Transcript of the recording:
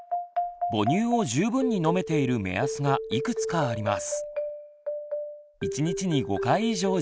「母乳を十分に飲めている目安」がいくつかあります。